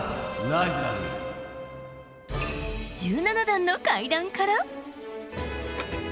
１７段の階段から。